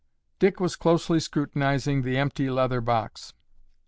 Dick was closely scrutinizing the empty leather box.